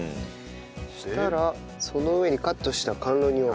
そしたらその上にカットした甘露煮を。